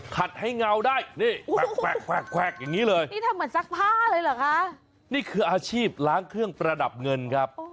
คืออาชีพล้างเครื่องประดับเงินครับ